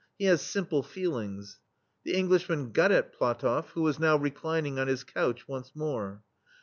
— he has simple feelings." The Englishman got at Platofl?", who was now reclining on his couch once more.